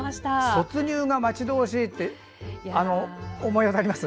卒乳が待ち遠しいって思い当たります？